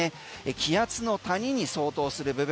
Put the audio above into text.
気圧の谷に相当する部分。